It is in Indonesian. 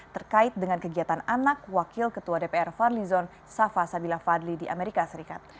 terkait dengan kegiatan anak wakil ketua dpr fadli zon safa sabila fadli di amerika serikat